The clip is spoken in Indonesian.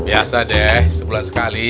biasa deh sebulan sekali